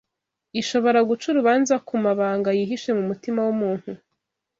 Ishobora guca urubanza ku mabanga yihishe mu mutima w’umuntu